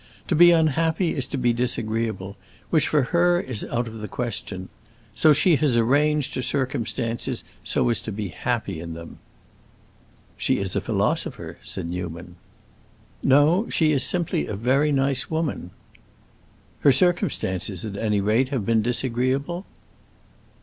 To be unhappy is to be disagreeable, which, for her, is out of the question. So she has arranged her circumstances so as to be happy in them." "She is a philosopher," said Newman. "No, she is simply a very nice woman." "Her circumstances, at any rate, have been disagreeable?"